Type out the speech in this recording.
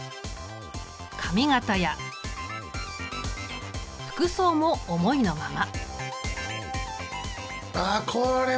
髪形や服装も思いのまま。